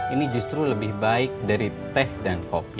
ini justru lebih baik dari teh dan kopi